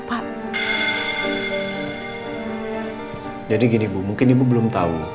pak jadi gini bu mungkin ibu belum tahu